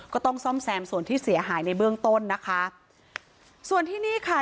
ก็ต้องซ่อมแซมส่วนที่เสียหายในเบื้องต้นนะคะส่วนที่นี่ค่ะ